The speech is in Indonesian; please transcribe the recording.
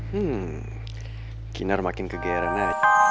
hmm kinar makin kegayarannya